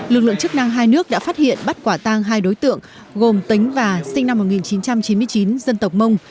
lực lượng chức năng hai nước đã phát hiện bắt quả tang hai đối tượng gồm tính và sinh năm một nghìn chín trăm chín mươi chín dân tộc mông